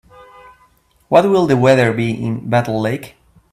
What will the weather be in Battle Lake?